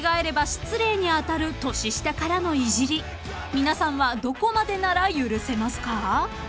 ［皆さんはどこまでなら許せますか？］